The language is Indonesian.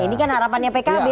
ini kan harapannya pkb